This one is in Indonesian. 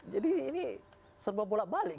jadi ini serba bola balik